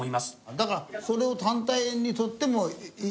だからそれを単体に取っても意味はないと。